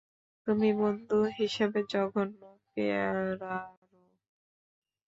তুমি বন্ধু হিসেবে জঘন্য, পোয়ারো!